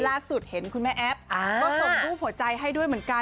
ล่าสุดเห็นคุณแม่แอฟก็ส่งรูปหัวใจให้ด้วยเหมือนกัน